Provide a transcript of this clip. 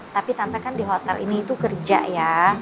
tapi tante kan di hotel ini itu kerja ya